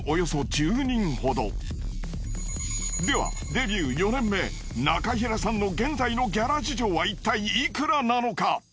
デビュー４年目中平さんの現在のギャラ事情はいったいいくらなのか？